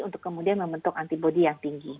untuk kemudian membentuk antibody yang tinggi